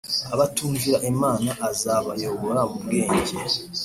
abatumvira Imana azabayobora mu bwenge